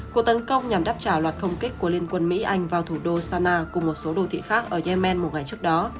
cuộc tấn công nhằm đáp trả loạt không kích của liên quân mỹ anh vào thủ đô sana cùng một số đô thị khác ở yemen một ngày trước đó